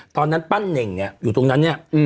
ตอนนั้นปั้นเน่งเนี่ยอยู่ตรงนั้นเนี่ย